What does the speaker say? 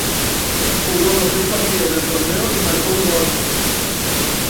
Jugó los seis partidos del torneo y marcó un gol.